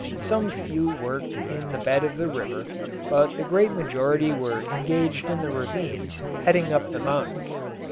Some few worked in the bed of the river, but the great majority were engaged in the ravines leading up the mountains.